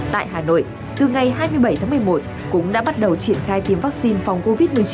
tại hà nội từ ngày hai mươi bảy tháng một mươi một cũng đã bắt đầu triển khai tiêm vaccine phòng covid một mươi chín